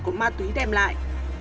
có ma túy đem lại